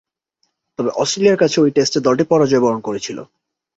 তবে অস্ট্রেলিয়ার কাছে ঐ টেস্টে দলটি পরাজয়বরণ করেছিল।